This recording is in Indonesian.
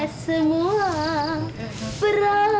perasaan yang berbeda